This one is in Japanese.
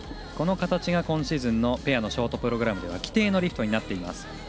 この形が今シーズンのペアのショートプログラムで規定のリフトになっています。